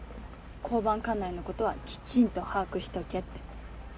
交番管内のことはきちんと把握しとけって。